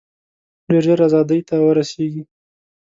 ډېر ژر آزادۍ ته ورسیږي.